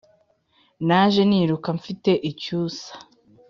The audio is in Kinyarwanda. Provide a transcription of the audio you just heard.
Naje niruka mfite icyusa